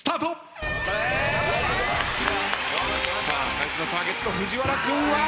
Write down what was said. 最初のターゲット藤原君は。